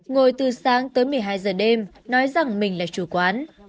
ngồi từ sáng tới một mươi hai giờ đêm nói rằng mình là chủ quán